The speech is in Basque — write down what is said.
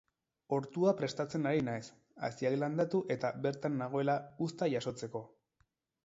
Ortua prestatzen ari naiz, haziak landatu eta bertan nagoela, uzta jasotzeko.